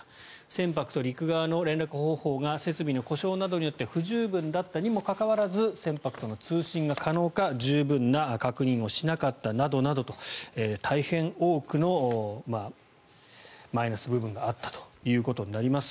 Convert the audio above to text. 船舶と陸側の連絡方法が設備の故障などによって不十分だったにもかかわらず船舶との通信が可能か十分な確認をしなかったなどなど大変多くのマイナス部分があったということになります。